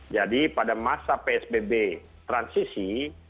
jadi pada masa psbb transisi